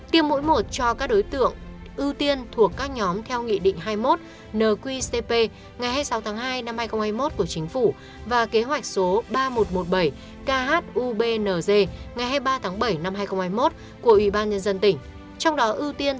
tiêm mũi một cho các đối tượng ưu tiên thuộc các nhóm theo nghị định hai mươi một nqcp ngày hai mươi sáu tháng hai năm hai nghìn hai mươi một của chính phủ và kế hoạch số ba nghìn một trăm một mươi bảy khubnz ngày hai mươi ba tháng bảy năm hai nghìn hai mươi một